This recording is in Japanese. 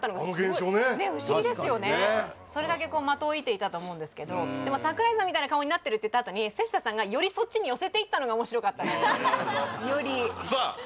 確かにねそれだけ的を射ていたと思うんですけどでも桜井さんみたいな顔になってるって言ったあとに瀬下さんがよりそっちに寄せていったのが面白かったさあ